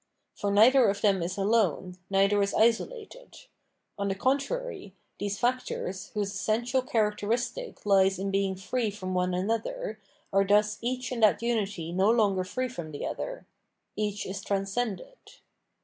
For neither of them is alone, neither is isolated ; on the contrary, these factors, whose essential characteristic lies in being free from one another, are thus each in that imity no longer free from the other ; each is transcended.